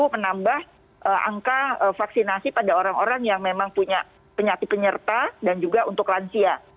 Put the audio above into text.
menambah angka vaksinasi pada orang orang yang memang punya penyakit penyerta dan juga untuk lansia